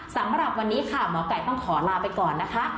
สำหรับวันนี้ค่ะหมอไก่ต้องขอลาไปก่อนนะคะ